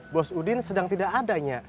bos udin sedang tidak adanya